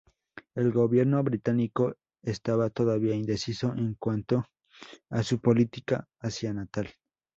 El gobierno británico estaba todavía indeciso en cuanto a su política hacia Natal.